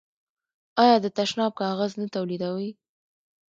آیا د تشناب کاغذ نه تولیدوي؟